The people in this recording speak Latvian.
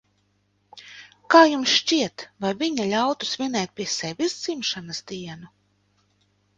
Kā jums šķiet, vai viņa ļautu svinēt pie sevis dzimšanas dienu?